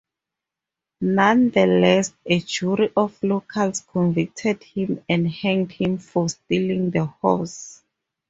Nonetheless, a jury of locals convicted him and hanged him for stealing the horse.